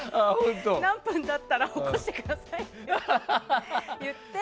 何分経ったら起こしてくださいって言って。